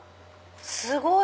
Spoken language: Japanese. すごい！